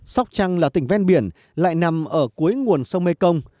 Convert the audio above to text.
sóc trăng là tỉnh ven biển lại nằm ở cuối nguồn sông mekong